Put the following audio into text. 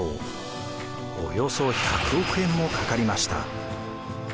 およそ１００億円もかかりました。